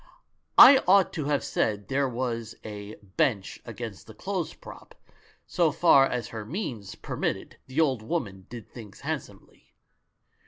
I ought to have said there was a bench against the clothes prop ; so far as her means per mitted, the old woman did things handso iiely.